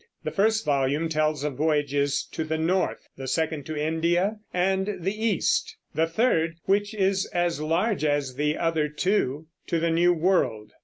The first volume tells of voyages to the north; the second to India and the East; the third, which is as large as the other two, to the New World.